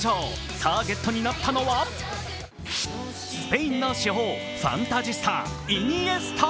ターゲットになったのはスペインの至宝、ファンタジスタ、イニエスタ。